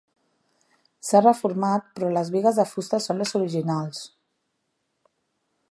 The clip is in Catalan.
S’ha reformat però les bigues de fusta són les originals.